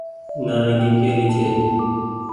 نآريگي ڪي ري ڇي۔